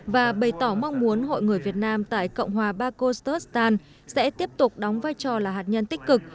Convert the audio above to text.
và bày tỏ mong muốn hội người việt nam tại cộng hòa barcottostan sẽ tiếp tục đóng vai trò là hạt nhân tích cực